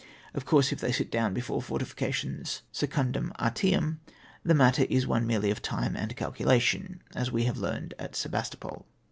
Of course, if they sit down before fortifications secundum artem, the matter is one merely of time and calculation, as Ave have learned at Sebastopol.